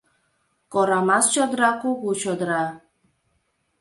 Корамас чодыра - кугу чодыра